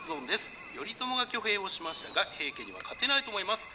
頼朝が挙兵をしましたが平家には勝てないと思います。